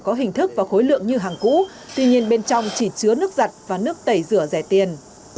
có hình thức và khối lượng như hàng cũ tuy nhiên bên trong chỉ chứa nước giặt và nước tẩy rửa rẻ tiền